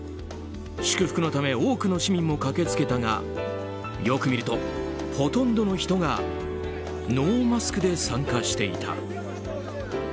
祝福のため多くの市民も駆け付けたがよく見ると、ほとんどの人がノーマスクで参加していた。